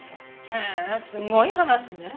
へえすごい話ね。